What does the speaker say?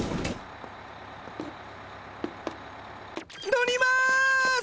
乗ります！